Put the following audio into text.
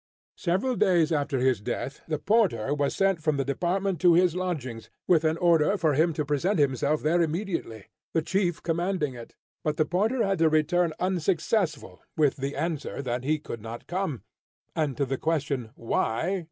Several days after his death, the porter was sent from the department to his lodgings, with an order for him to present himself there immediately, the chief commanding it. But the porter had to return unsuccessful, with the answer that he could not come; and to the question, "Why?"